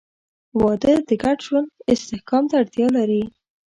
• واده د ګډ ژوند استحکام ته اړتیا لري.